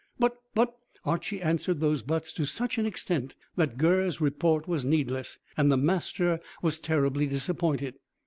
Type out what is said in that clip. "But but " Archy answered those buts to such an extent that Gurr's report was needless, and the master was terribly disappointed.